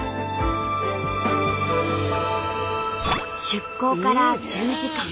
出港から１０時間。